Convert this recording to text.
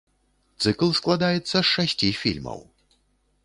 Цыкл складаецца з шасці фільмаў.